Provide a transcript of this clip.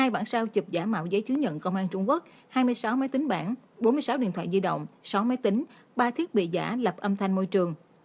hai bản sao chụp giả mạo giấy chứng nhận công an trung quốc hai mươi sáu máy tính bản bốn mươi sáu điện thoại di động sáu máy tính ba thiết bị giả lập âm thanh môi trường